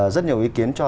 rất nhiều ý kiến cho